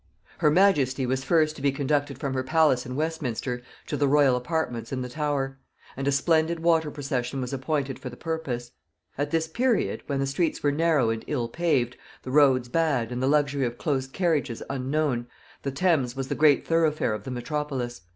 ] Her majesty was first to be conducted from her palace in Westminster to the royal apartments in the Tower; and a splendid water procession was appointed for the purpose. At this period, when the streets were narrow and ill paved, the roads bad, and the luxury of close carriages unknown, the Thames was the great thoroughfare of the metropolis.